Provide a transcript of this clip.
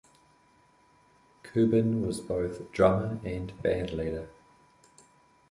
Kuban was both drummer and bandleader.